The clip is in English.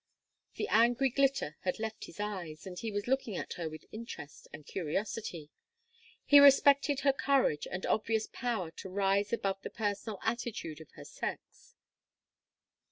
The angry glitter had left his eyes and he was looking at her with interest and curiosity. He respected her courage and obvious power to rise above the personal attitude of her sex.